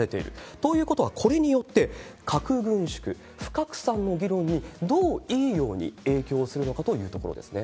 ということは、これによって核軍縮、不拡散の議論にどういいように影響するのかというところですね。